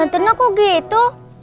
santan aku gitu